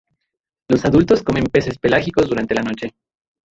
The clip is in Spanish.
Los adultos comen peces pelágicos durante la noche.